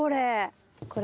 これ。